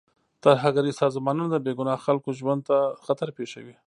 ترهګریز سازمانونه د بې ګناه خلکو ژوند ته خطر پېښوي.